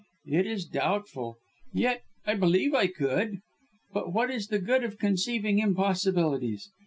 It is doubtful! Yet I believe I could. But what is the good of conceiving impossibilities!